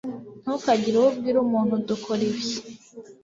Ntukagire uwo ubwira umuntu dukora ibi.